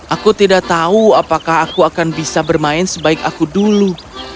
aku tidak tahu apakah aku akan bisa bermain sebaik aku dulu